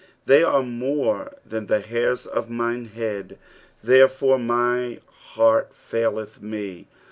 " They are more than tht hairt of mine head : there foie my heart faiieth me."